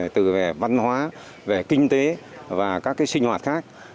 từ về văn hóa về kinh tế và các sinh hoạt khác